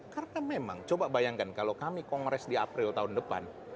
karena memang coba bayangkan kalau kami kongres di april tahun depan